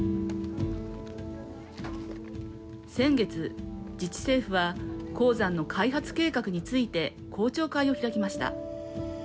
先月、自治政府は鉱山の開発計画について公聴会を開きました。